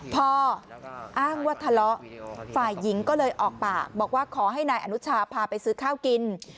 พออ้างว่าทะเลาะฝ่ายหญิงก็เลยออกปากบอกว่าขอให้นายอนุชาพาไปซื้อข้าวกิน